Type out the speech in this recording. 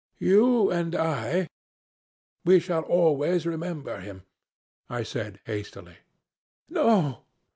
You and I ' "'We shall always remember him,' I said, hastily. "'No!'